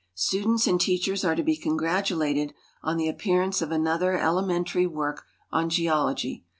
Students and teachers are to be congratulated on tlic ajipcaraMcc of another elementary work on geology.